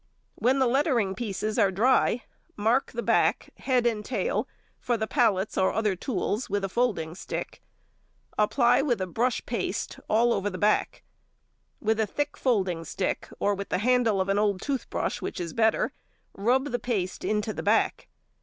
When the lettering |137| pieces are dry, mark the back, head and tail, for the pallets or other tools with a folding stick. Apply with a brush paste all over the back. With a thick folding stick, or with the handle of an old tooth brush, which is better, rub the paste into the back.